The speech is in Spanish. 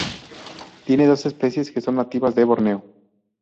Tiene dos especies que son nativas de Borneo.